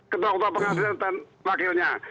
ketua ketua pengadilan dan wakilnya